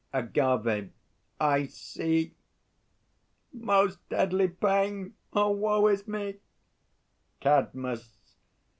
AGAVE. I see ... most deadly pain! Oh, woe is me! CADMUS.